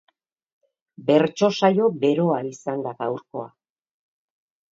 Bertso saio beroa izan da gaurkoa